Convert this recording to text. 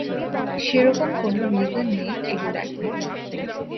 সেরকম কোনো রিজন নেই এক্স্যাক্টলি।